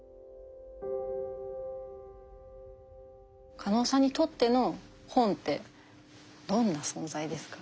加納さんにとっての本ってどんな存在ですか？